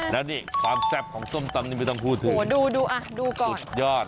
แล้วนี่ความแซ่บของส้มตำนี่ไม่ต้องพูดถึงดูดูก่อน